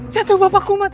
jatuh bapak kumat